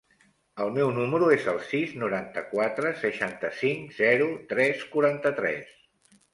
El meu número es el sis, noranta-quatre, seixanta-cinc, zero, tres, quaranta-tres.